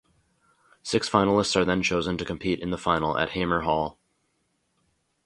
Six finalists are then chosen to compete in the final at Hamer Hall.